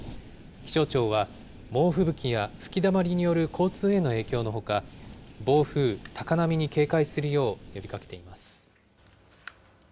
気象庁は、猛吹雪や吹きだまりによる交通への影響のほか、暴風、高波に警戒するよう呼びかけています。